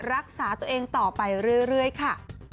รักษาตัวเองต่อไปเรื่อยค่ะ